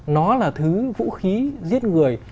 nó là thứ vũ khí giết người